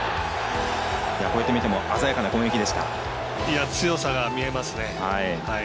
こうやって見ても強さが見えますね。